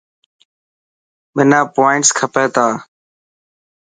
منا پووانٽس کپي تا.